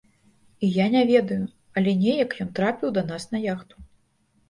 І я не ведаю, але неяк ён трапіў да нас на яхту.